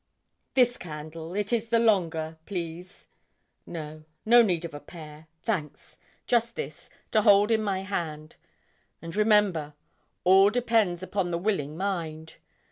This candle, it is the longer, please; no no need of a pair, thanks; just this, to hold in my hand. And remember, all depends upon the willing mind.